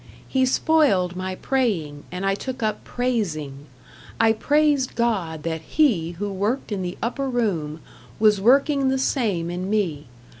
He spoiled my praying and I took up praising. I praised God that He who worked in the Upper Room was working the same in me.